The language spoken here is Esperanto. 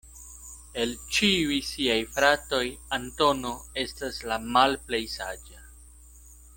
El ĉiuj siaj fratoj Antono estas la malplej saĝa.